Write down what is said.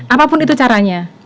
apapun itu caranya